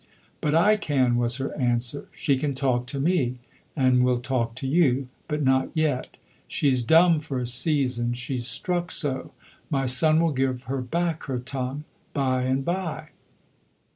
"But I can," was her answer; "she can talk to me and will talk to you; but not yet. She's dumb for a season, she's struck so. My son will give her back her tongue by and by."